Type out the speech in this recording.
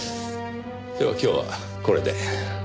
では今日はこれで。